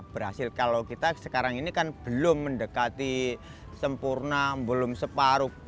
berhasil kalau kita sekarang ini kan belum mendekati sempurna belum separuh